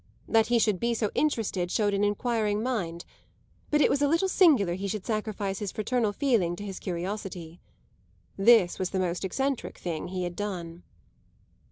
That he should be so interested showed an enquiring mind; but it was a little singular he should sacrifice his fraternal feeling to his curiosity. This was the most eccentric thing he had done.